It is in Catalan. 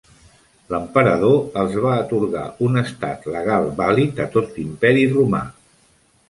L'emperador els va atorgar un estat legal vàlid a tot l'Imperi Romà.